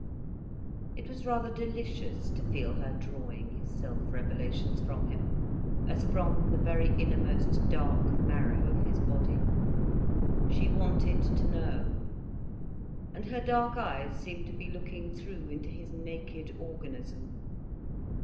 It was rather delicious, to feel her drawing his self revelations from him, as from the very innermost dark marrow of his body. She wanted to know. And her dark eyes seemed to be looking through into his naked organism.